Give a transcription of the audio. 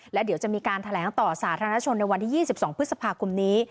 และเดี๋ยวจะมีการแถลงต่อสาธารณชนในวันที่๒๒พฤษภาคมนี้